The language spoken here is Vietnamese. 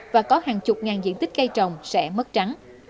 và có hàng chục ngàn diện tích cây trồng sẽ mất trắng